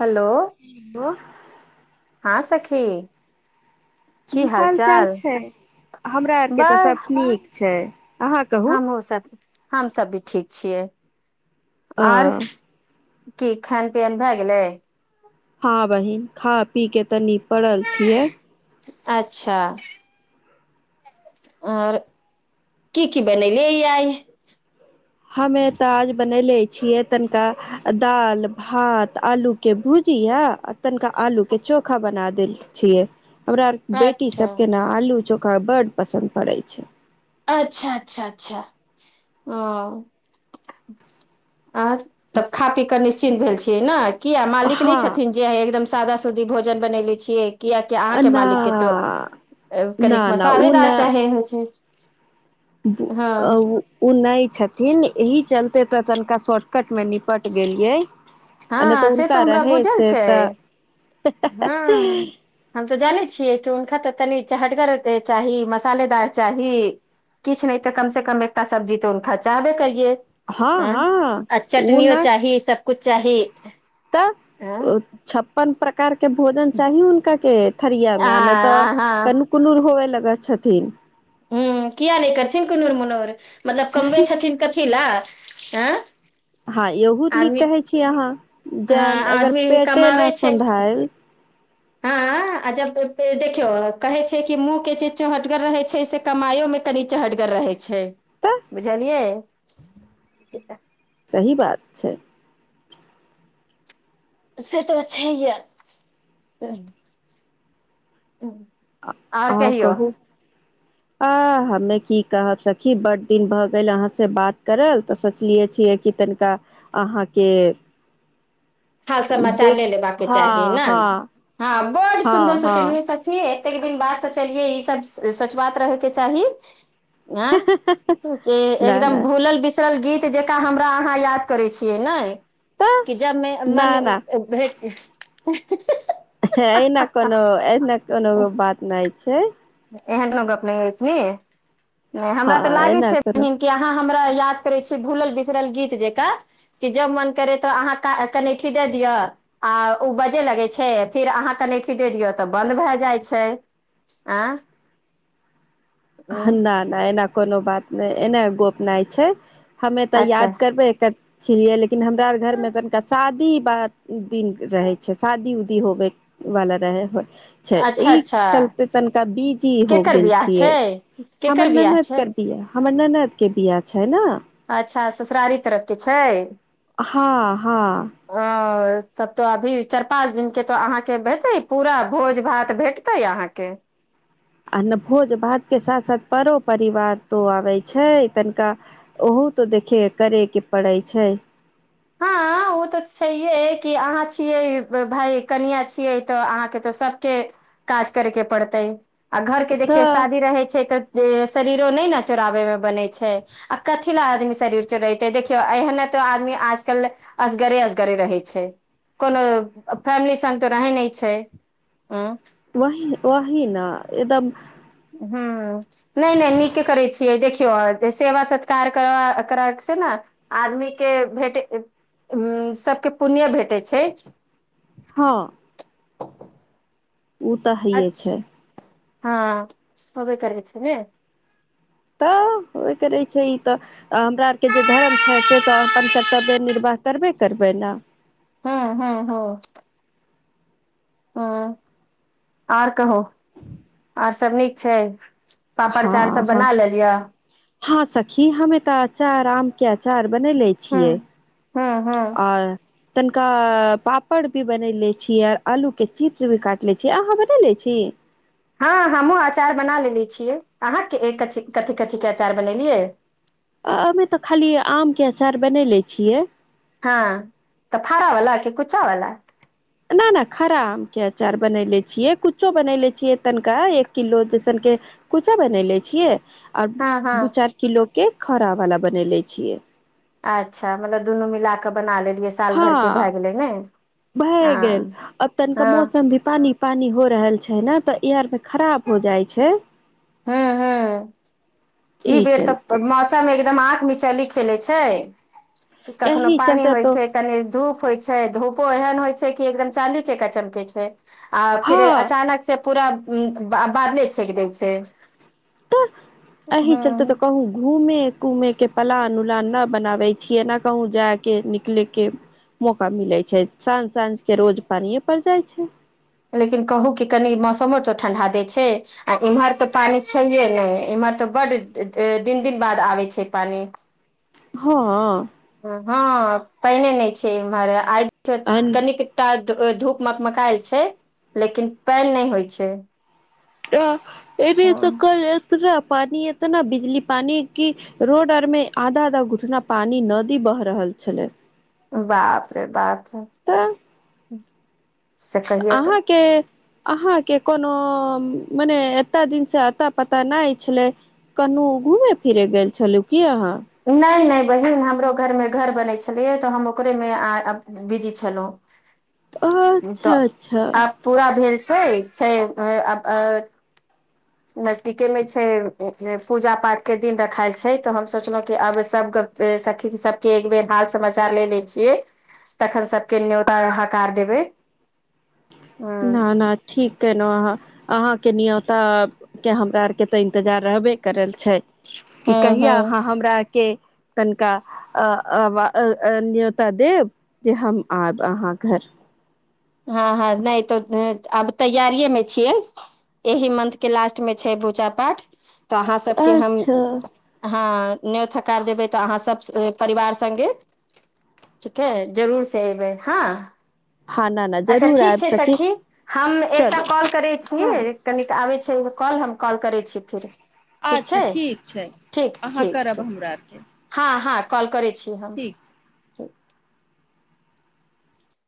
Hello hello हँ सखी की हाल चाल हाल-चाल छै, हमरा आर के ते बस सब नीक छै। अहाँ कहू हमहु सब, हम सब भी ठीक छीये। आ की खान पियन भए गेलै? हँ बहिन खा पी के तऽनी पड़ल छियै। अच्छा और की-की बनैलै आय। हमे ते आज बनैले छियै, तनका दाल, भात, आलू के भुजिया, तनका आलू के चोखा बना देल छियै। हमरा बेटी अच्छा सबके ना आलू चो खा बड पसन्द पड़ै छै। अच्छा-अच्छा-अच्छा औ। आ तब खा पी के निस चिंत भेल छियै नै। किया मालिक नै छथिन हँ जे एगदम सादा स दी भोजन बनेलै छियै। कियाकि अहाँ के ना मालिक के ते ए ना कनिक मसालेदार चाहे होय छै। बु हँ अ उ उ नै छथिन। इहि चलते ते तनिका शॉर्टकट मे निपट गेलिये। हाँ से ते हमरा बुझल तऽ छै, हाँ हम ते जानै छिये, हुनका ते तनि चहटगर चाही, मसालेदार चाही, किछ नै ते कम से कम एकटा सब्जी तऽ हुनका चाहबे करिये। हँ एं हँ आ ओ चटनियो ने चाही, सब कुछ अहि एं। पन प्रकार के भोजन चाही हुनका के थरिया मे, अ नै ते आ हँ तनुकुर नुकुर होवे लग गे छथिन। उम्म किया ने करथिन कुनूर-मुनुर। मतलब कमबै छथिन कथी लए। एं। हाँ यहु नीक कहै छी अहाँ जे हँ अगर आदमी पेटे नै सोन्धाएल हाँ आ जब पे देखियौ कहै छै कि मुँह के जे चहटगर रहै छै से कमाइयो मे कनि चहटगर रहै छै तऽ बुझलियै। सही बात छै। से ते छैहये, सही। आ कहां कहु। आ, हमे की कहब सखी बड्ड दिन भ गेल अहांसे बात करल त सोचलियै छियै कि तनिका अहांके हाल समाचार ले लेबाक के हँ चाही ने, हँ हां बड हँ सुन्दर हँ सोचलहुं सखी हे। कतेक दिन बात सोचलियै ई सब सच बात रहैके चाही। आँ, नहि एकदम नहि भुलल विस टल गीत जकाँ हमरा अहाँ याद करै छीये ने तऽ कि ज मने अ भेट [unintelligible] एहिना कोनो, एहिना कोनो बात नै छै। एहन त गप नै अछि ने। नै, हँ हमरा त लागै एना छै कोनो बहिन कि अहां हमरा याद करै छी भुलल बिसरल गीत जेकां कि जब मन करै त अहां का कनैठी दय दिय आ ओ बजय लगै छै फिर अहां कनैठी दय दिय तब बंद भ जाइ छै। एं। हां, नै ना। कोनो बात नहि एने गोपनाय छै। हमे त अच्छा याद करबै क छियै, लेकिन हमरा आर घरमे तनिका शादी बाद दिन रहै छै, शादी उदी होबयवला रहै है। छै, अच्छा ई अच्छा चलते तनिका बीजी हो केकर गेल बियाह छै छियै। हमर केकर बियाह ननैद छै के बियाह। हमर ननैद के बियाह छै ने। अच्छा, ससुरारी तरफ के छै? हां हां। ओ तब त अभी चारि पाँच दिनके त अहाँके हेतै पूरा भोज भात भेटतै अहाँके। आ ने भोज भात के साथ साथ परो परिवार तो आबै छै तनिका ओहो तो देखे करे के पड़ैत छै। हँ ओ त छैहे कि अहाँ छियै भाय कनिआ छियै त अहाँके त सभके काज करयके पड़तै। आ घर के देखियौ तऽ शादी रहै छै त जे शरीरो नहि ने चोराबे मे बने छै आ कथि लए आदमी शरीर चोरेते देखियो एहने त आदमी आज कल असगरे-असगरे रहै छै, कोनो फैमिली संग त रहै नै छै, उं। वही, वही न एकदम हुं, नै नै, नीके करै छियै, देखियौ सेवा सत्कार कर करैक से ने आदमीके भेट, सभके पुण्य भेटै छै। हां। उ त हइए छै। हां, होबे करै छै ने। त, होय करै छै इ त हमरा आरके जे धर्म छै से त अपन कर्तव्य निर्वाह करबे करबै ने? हां हां हां। हुं, आर कहु, आर सब नीक छै? पापड़ हँ अचार सब हँ बना लेलियै। हँ सखी हमे तऽ अचार आाम के आचार। बन ले हँ छियै हँ हँ आ। तनिका पापड़ भी बनय लैत छीिय आ आलूके चिप्स भी काटि लै छीियै अहाँ बनाय लै छी। [unintelligible] हँ हमहूँ अचार बना लेने छियै अहाँके कथी- कथीके अचार बनेलियै। [unintelligible] अभी त खाली आमके अचार बनेले छियै। हां, त फाड़ा वला कि कुच्चा वला? ना, ना, खरा आम के अचार बनेले छियै, कुच्चो बनेले छियै, तनिका एक किलो जैसनके कुचो बनेले छियै। आओर हँ हँ दू चार किलो। के खड़ा वाला बनेले छियै। [unintelligible] अच्छा मतलब दुनू मिल कऽ बना ले। हँ [unintelligible] भए गेल हँ अब तनिका हँ मौसम भी पानी पानी हो रहल छै। छै ने तऽ ई आर खराब हो जाइ छै। [unintelligible] हू -हू [unintelligible] ई बीर तप मौसमे। एकदम आँख मिचली खेले छै। [unintelligible] कखनो एहि पानी चलते होइ तो छै कनि धूप। होइ छै धूपो एहन होइ छै कि एकदम चाँदी चका चमके छै। आ हँ फिर अचानक से। पूरा बादले छेक दै छै। [unintelligible] तऽ -अही चलते तऽ हँ कहू घूमने। घुमे के पलान उलान नहि बनाबे छियै न कहूँ जाय के निकले के मौका मिलै छै साँझ -साँझ के रोज पानिे परड़ जाइ छै। लेकिन कहू कि कनि मौसमो तऽ ठण्ढा दै छै आ इम्हर तऽ पानि छैहे नहि एम्हर तऽ बड्ड दिन- दिन बाद आबै छै पानि। हँ। [unintelligible] हँ पहिने नहि छै इम्हर आइ। आ कनिकत। [unintelligible] धूप मक- मकाइ छै लेकिन पानि नहि होइ छै। त। [unintelligible] ए भी हँ तऽ क। [unintelligible] पानी एतना बिजली पानी क रोड आर मे आधा- आधा घुटना पानी नदी बह रहल छले। बाप रे बाप। तऽ। [unintelligible] हूं। [unintelligible] तऽ अहाँके। [unintelligible] अहा के कोनो- मने एता दिन से अता पता नहि छले कनु घूमे फिरे गेल छलु की अहाँ। नहि -नहि बहिन हमरो घरमे घर बनै छलियै तऽ हम ओकरेमे बिजी छलहुँ। तऽ अच्छा -अच्छा। आब [unintelligible] पूरा भेल छै- छै। [unintelligible] नजदीकेमे छै पूजा पाठके दिन रखायल छै तऽ हम सोचलहुँ कि आब सभ सखी सभके एक बेेर हाल समाचार ले लै छियै तखन सभके न्योता हकार देबै। [unintelligible] हूँ न न ठीक केनो अहाँ। अहाँ के नियोता के हमरा आर के ते इंतजार रहबे करल छैय कि हूँ कहिआ हूँ अहाँ हमरा आरके तनिका अ अ न्योता देब जे हम आयब अहाँ घर। हँ- हँ नहि तऽ आब तैयारिएमे छियै एहिह मंथके लास्टमे छै पूजा पाठ। [unintelligible] तऽ अहाँ सबके हम अच्छा [unintelligible] हँ। नेो थकार देबै तऽ अहाँ सब परिवार [unintelligible] सङगे ठीक है जरूर से एबै हँ। हँ न न अच्छा जरूर ठीक आबि छैय सकी सखी हम एकटा चलू कॉल करैत हँ छियै, कनी टा आबैत छी। एगो कॉल हम कॉल करै छीय फिर। ठीक अच्छा छै ठीक छैय ठीक अहाँ ठीक करब ठीक हमरा आरके हँ हँ कॉल करै छी। की हम। ठीक [unintelligible]